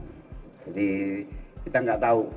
jadi kita nggak tahu